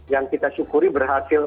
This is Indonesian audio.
yang kita syukuri berhasil